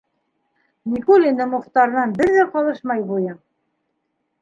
Никулиндың Мухтарынан бер ҙә ҡалышмай буйың.